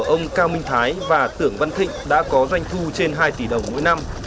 ông cao minh thái và tưởng văn thịnh đã có doanh thu trên hai tỷ đồng mỗi năm